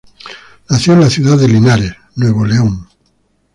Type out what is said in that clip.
Nació en la ciudad de Linares, Nuevo León.